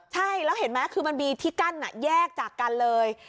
ใช่แล้วเห็นไหมคือมันมีที่กั้นแยกจากกันเลย